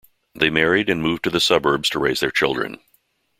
They married and moved to the suburbs to raise their children.